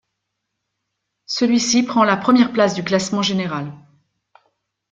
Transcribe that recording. Celui-ci prend la première place du classement général.